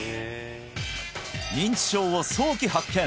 認知症を早期発見！